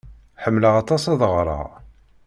Ḥemmleɣ aṭas ad ɣreɣ.